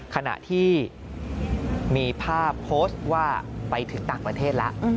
ขณะที่มีภาพโพสต์ว่าไปถึงต่างประเทศแล้ว